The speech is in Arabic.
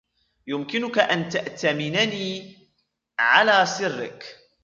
يمكنك أن تأتمنني على سرك